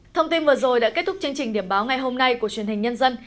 thông tin vừa rồi đã kết thúc chương trình điểm báo ngày hôm nay của truyền hình nhân dân